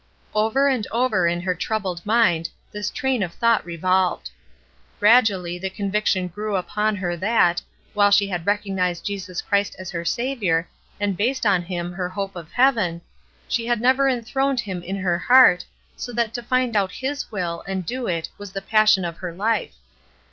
Over and over in her troubled mind this train of thought revolved. Gradually the con viction grew upon her that, while she had recognized Jesus Christ as her Saviour, and based on Him her hope of heaven, she had never enthroned Him in her heart, so that to find out His will and do it was the passion of her life.